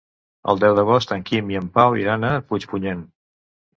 El deu d'agost en Quim i en Pau iran a Puigpunyent.